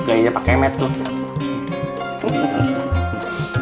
gaya pake metode